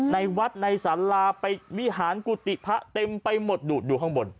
ในวัดในสาราไปวิหารกุฏิพระเต็มไปหมดดูดดูข้างบน